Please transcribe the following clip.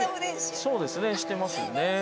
そうですねしてますね。